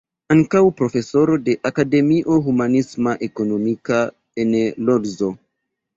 Ankaŭ profesoro de Akademio Humanisma-Ekonomika en Lodzo.